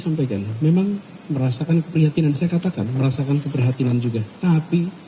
sampaikan memang merasakan keprihatinan saya katakan merasakan keprihatinan juga tapi